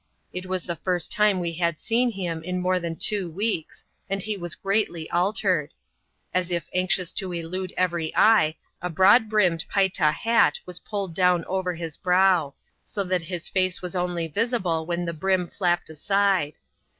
It was the first time we had seen hiin in more than two weeks, and he was greatly altered. As if anxious to elude every eye, a broad brimmed Payta hat was pulled down over his brow; so that his face was only visible when the brim flapped aside.